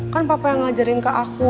kan papa yang ngajarin ke aku